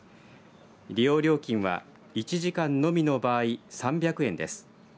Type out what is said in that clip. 利用料金は１時間のみの場合３００円です。